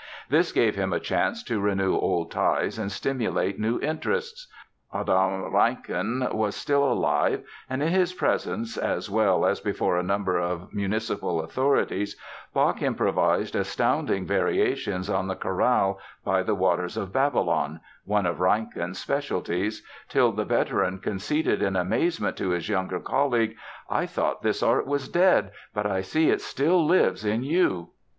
This gave him a chance to renew old ties and stimulate new interests. Adam Reinken was still alive and in his presence as well as before a number of municipal authorities Bach improvised astounding variations on the chorale "By the Waters of Babylon," one of Reinken's specialties, till the veteran conceded in amazement to his younger colleague: "I thought this art was dead, but I see it still lives in you."